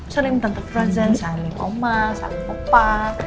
salim tentara tresen salim oma salim opa